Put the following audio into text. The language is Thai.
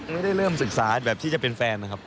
ไม่ได้เริ่มศึกษาแบบที่จะเป็นแฟนนะครับ